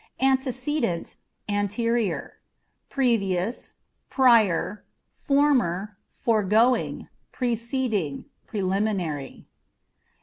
Antecedent, Anterior â€" previous, prior, former, foregoing, preceding, preliminary.